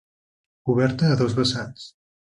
Coberta a dos vessants.